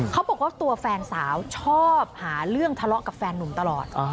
เขาบอกว่าตัวแฟนสาวชอบหาเรื่องทะเลาะกับแฟนนุ่มตลอด